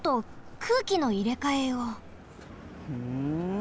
ふん。